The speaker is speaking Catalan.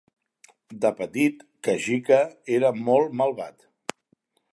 De petit, Kajika era molt malvat.